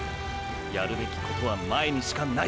やるべきことは「前」にしかない！！